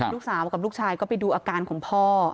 ลูกสาวกับลูกชายก็ไปดูอาการของพ่อ